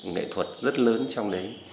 nghệ thuật rất lớn trong đấy